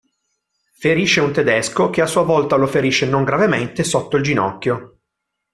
Ferisce un tedesco che a sua volta lo ferisce non gravemente, sotto il ginocchio.